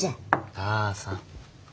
母さん。